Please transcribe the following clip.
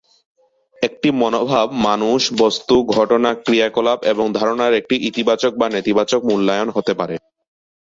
একটি মনোভাব মানুষ, বস্তু, ঘটনা, ক্রিয়াকলাপ এবং ধারণার একটি ইতিবাচক বা নেতিবাচক মূল্যায়ন হতে পারে।